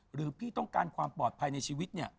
หรือต้องการความปลอดภัยในชีวิต